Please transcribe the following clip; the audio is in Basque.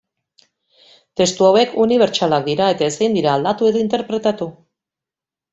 Testu hauek unibertsalak dira eta ezin dira aldatu edo interpretatu.